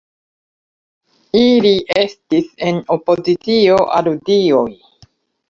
Ili estis en opozicio al dioj.